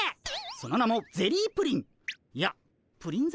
その名もゼリープリン。